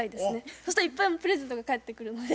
そしたらいっぱいプレゼントが返ってくるので。